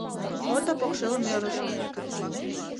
Ото покшел мӧрыжым